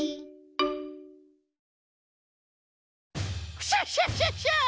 クシャシャシャシャ！